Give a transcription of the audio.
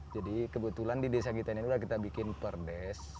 jadi kebetulan di desa kita ini kita bikin perdes